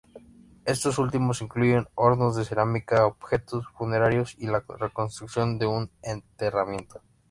Estos últimos incluyen hornos de cerámica, objetos funerarios y la reconstrucción de un enterramiento.